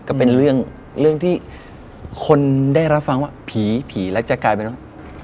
ก็เป็นเรื่องที่คนได้รับฟังว่าผีผีแล้วจะกลายเป็นว่า